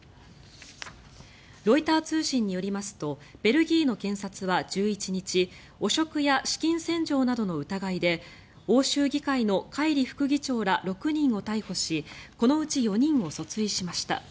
ロイター通信によりますとベルギーの検察は、１１日汚職や資金洗浄などの疑いで欧州議会のカイリ副議長ら６人を逮捕しこのうち４人を訴追しました。